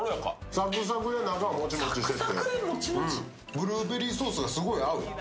ブルーベリーソースがすごい合う。